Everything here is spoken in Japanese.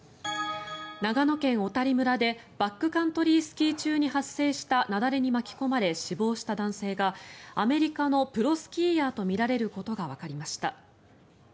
長野県小谷村でバックカントリースキー中に発生した雪崩に巻き込まれ死亡した男性がアメリカのプロスキーヤーとみられることがわかりました。